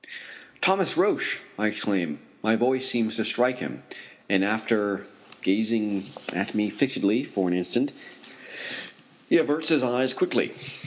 "Thomas Roch!" I exclaim. My voice seems to strike him, and after gazing at me fixedly for an instant he averts his eyes quickly.